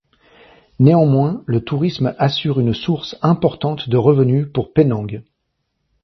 Néanmoins, le tourisme assure une source importante de revenus pour Penang.